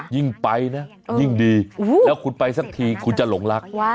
ยิ่งไปนะยิ่งดีแล้วคุณไปสักทีคุณจะหลงรัก